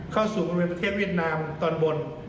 เข้าสู่บริเวณประเทศเวียดนามตอนบน